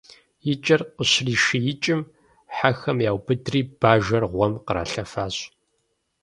И кӀэр къыщришиикӀым, хьэхэм яубыдри бажэр гъуэм къралъэфащ.